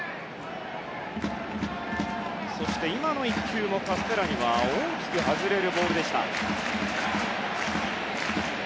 そして今の１球、カステラニは大きく外れるボールでした。